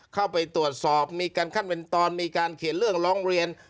เข้าไปตรวจสอบมีการขั้นเป็นตอนมีการเขียนเรื่องร้องเรียน